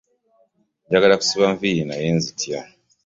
Njagala kusiba nviiri naye nzitya.